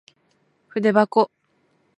ふでばこ